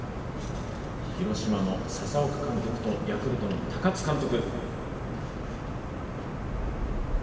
広島の笹岡監督とヤクルトの高津監督。